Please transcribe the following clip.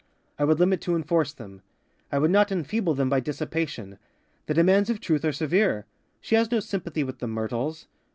I would limit to enforce them. I would not enfeeble them by dissipation. The demands of Truth are severe. She has no sympathy with the myrtles.